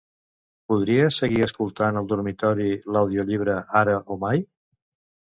Podria seguir escoltant al dormitori l'audiollibre "Ara o mai"?